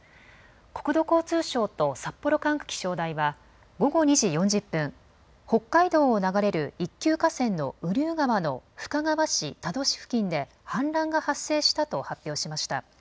国土交通省と札幌管区気象台は午後２時４０分、北海道を流れる一級河川の雨竜川の深川市多度志付近で氾濫が発生したと発表しました。